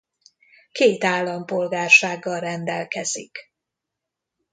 Két állampolgársággal rendelkezik.